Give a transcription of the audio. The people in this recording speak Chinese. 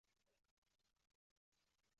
用过一个年号为明启。